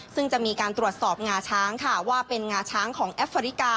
ซึ่งจะมีการตรวจสอบงาช้างค่ะว่าเป็นงาช้างของแอฟริกา